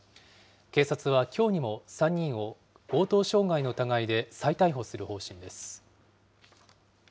警察はきょうにも３人を強盗傷害の疑いで再逮捕する方針です。